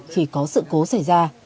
khi có sự cố xảy ra